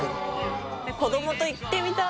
子どもと行ってみたい！